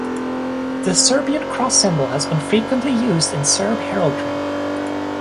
The Serbian cross symbol has been frequently used in Serb heraldry.